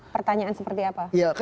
pertanyaan seperti apa